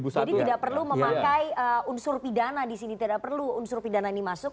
jadi tidak perlu memakai unsur pidana di sini tidak perlu unsur pidana ini masuk